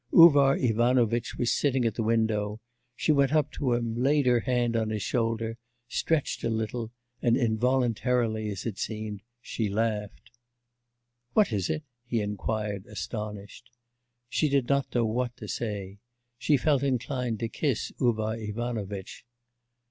Uvar Ivanovitch was sitting at the window; she went up to him, laid her hand on his shoulder, stretched a little, and involuntarily, as it seemed, she laughed. 'What is it?' he inquired, astonished. She did not know what to say. She felt inclined to kiss Uvar Ivanovitch.